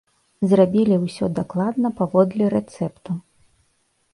Зрабілі ўсё дакладна паводле рэцэпту.